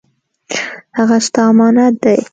هغه ستا امانت دی